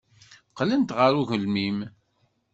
Qqlent ɣer ugelmim.